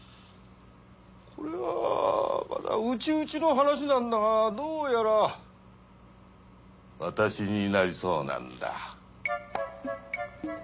これはまだ内々の話なんだがどうやら私になりそうなんだ。